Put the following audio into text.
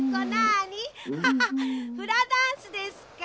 ハハハフラダンスですか。